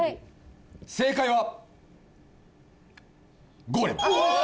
正解は。